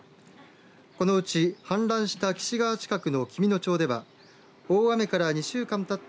このうち、氾濫した貴志川近くの紀美野町では大雨から２週間たった